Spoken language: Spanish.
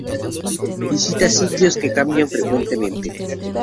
Visita sitios que cambian frecuentemente.